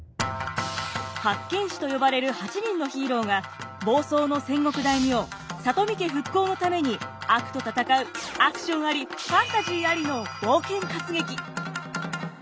八犬士と呼ばれる８人のヒーローが房総の戦国大名里見家復興のために悪と戦うアクションありファンタジーありの冒険活劇。